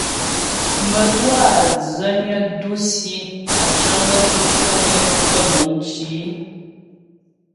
Mə́twâ dzənyə dǔsi á cəŋ gaə́ pú fəŋ é pə́ buŋ cì.